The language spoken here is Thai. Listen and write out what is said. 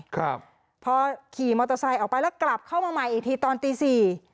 ครับพอขี่มอเตอร์ไซค์ออกไปแล้วกลับเข้ามาใหม่อีกทีตอนตีสี่